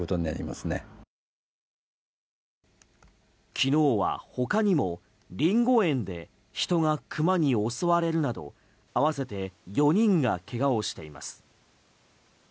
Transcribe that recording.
昨日は、ほかにもリンゴ園で人がクマに襲われるなど合わせて４人がけがをしています。